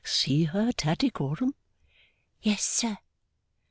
See her, Tattycoram?' 'Yes, sir.